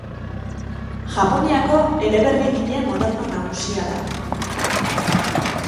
Japoniako eleberrigile moderno nagusia da.